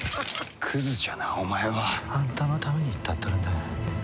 クズじゃなお前は。あんたのために言ったっとるんだがや。